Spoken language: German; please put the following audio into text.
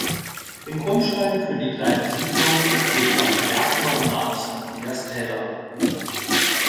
Den Grundstein für die kleine Siedlung legte ein Bergmann namens Andreas Teller.